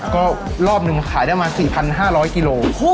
ก็รอบหนึ่งขายได้มา๔๕๐๐กิโล